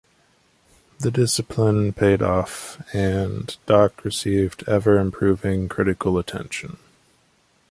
The discipline paid off, and Doc received ever-improving critical attention.